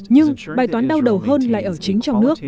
nhưng bài toán đau đầu hơn lại ở chính trong nước